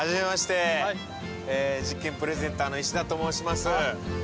実験プレゼンターの石田と申します。